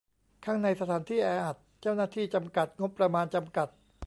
ข้างในสถานที่แออัด เจ้าหน้าที่จำกัด งบประมาณจำกัด